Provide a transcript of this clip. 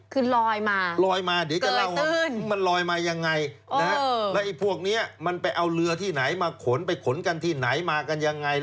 คือลอยมาเกลือตื้นลอยมายังไงและเขายังไปเอาเรือที่ไหนไปขนที่ไหนมากันยังไง